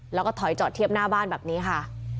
แล้วก็ถอยจอดเทียบหน้าบ้านแบบนี้ค่ะ